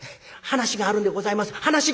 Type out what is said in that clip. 話があるんでございます」。